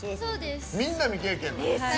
みんな未経験なん？